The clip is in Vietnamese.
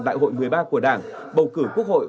đại hội một mươi ba của đảng bầu cử quốc hội